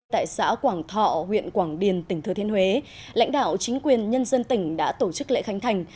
tại xã quảng thọ huyện quảng điền tỉnh thừa thiên huế lãnh đạo chính quyền nhân dân tỉnh đã tổ chức lễ khánh thành